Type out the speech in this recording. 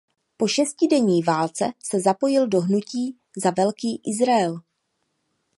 Po šestidenní válce se zapojil do Hnutí za Velký Izrael.